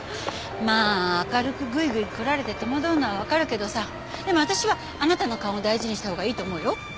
まあ明るくグイグイこられて戸惑うのはわかるけどさでも私はあなたの勘を大事にしたほうがいいと思うよ。